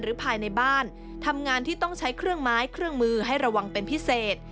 ภายในบ้านทำงานที่ต้องใช้เครื่องไม้เครื่องมือให้ระวังเป็นพิเศษ